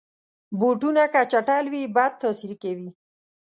بوټونه که چټل وي، بد تاثیر کوي.